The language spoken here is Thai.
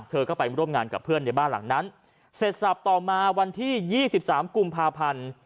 เธอก็ไปร่วมงานกับเพื่อนในบ้านหลังนั้นเสร็จสับต่อมาวันที่๒๓กุมภาพันธ์